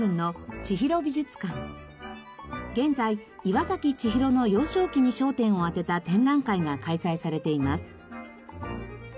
現在いわさきちひろの幼少期に焦点を当てた展覧会が開催されています。